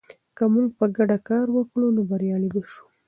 که موږ په ګډه کار وکړو، نو بریالي به شو.